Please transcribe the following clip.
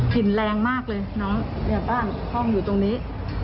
หินแรงมากเลยน้องเนี่ยบ้านห้องอยู่ตรงนี้